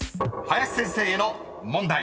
［林先生への問題］